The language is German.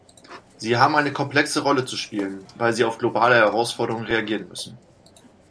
Sie haben eine komplexe Rolle zu spielen, weil sie auf globale Herausforderungen reagieren müssen.